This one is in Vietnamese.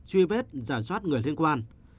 truy vết giả soát người liên quan